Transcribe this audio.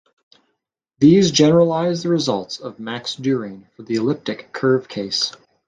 These generalise the results of Max Deuring for the elliptic curve case.